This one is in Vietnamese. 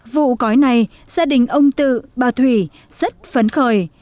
vụ cói này gia đình ông tự bà thủy rất phấn khởi